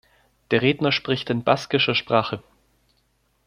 Der Redner spricht in baskischer Sprache.